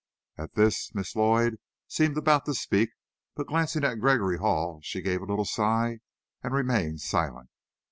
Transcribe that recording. At this, Miss Lloyd seemed about to speak, but, glancing at Gregory Hall, she gave a little sigh, and remained silent.